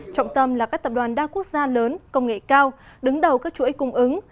trọng tâm là các tập đoàn đa quốc gia lớn công nghệ cao đứng đầu các chuỗi cung ứng